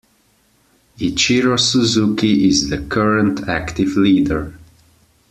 Ichiro Suzuki is the current active leader.